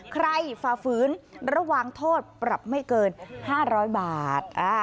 ใครฝาฝืนระหว่างโทษปรับไม่เกินห้าร้อยบาท